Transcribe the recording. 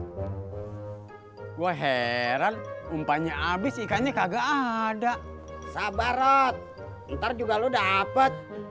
gue heran umpanya abis ikannya kagak ada sabarot ntar juga lo dapet